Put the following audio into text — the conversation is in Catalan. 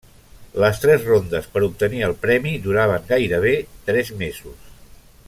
Les tres rondes per obtenir el premi duraven gairebé tres mesos.